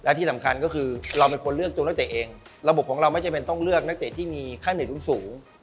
และที่สำคัญก็คือเราเป็นคนเลือกตัวนักเตะเองระบบของเราไม่จำเป็นต้องเลือกนักเตะที่มีค่าเหนื่อยสูง